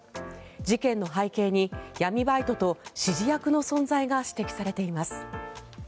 事件の背景に闇バイトと指示役の存在が指摘されています。